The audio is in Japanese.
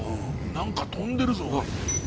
なんか飛んでるぞおい。